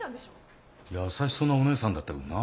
優しそうなお姉さんだったけどな。